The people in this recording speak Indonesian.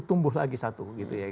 tumbuh lagi satu